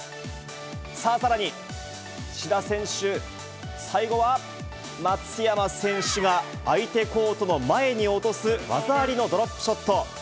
さあ、さらに、志田選手、最後は松山選手が相手コートの前に落とす技ありのドロップショット。